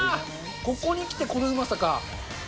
ここにきて、このうまさか。